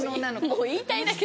もう言いたいだけ。